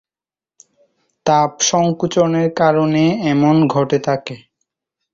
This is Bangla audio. তাপ সংকোচনের কারণে এমন ঘটে থাকে।